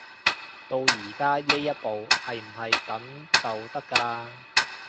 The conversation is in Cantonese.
到而家呢一步，係唔係等就得㗎喇